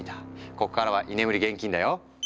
こっからは居眠り厳禁だよ。